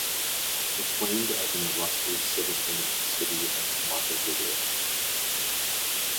Proclaimed as an illustrious citizen of the city of Montevideo.